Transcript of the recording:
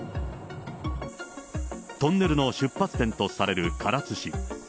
トンネルの出発点とされる唐津市。